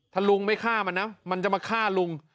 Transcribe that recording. ถ้าลุงไม่ฆ่ามันนะมันจะมาฆ่าลุง